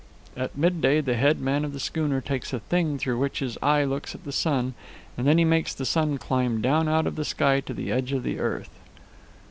"At midday the head man of the schooner takes a thing through which his eye looks at the sun, and then he makes the sun climb down out of the sky to the edge of the earth."